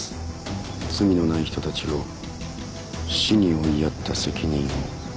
「罪のない人たちを死に追いやった責任を」